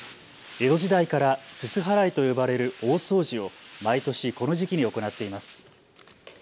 江戸時代からすす払いと呼ばれる大掃除を毎年この時期に行っています。